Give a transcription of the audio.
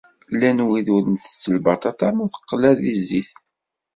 Llan wid ur ntett ara lbaṭaṭa ma teqla deg zzit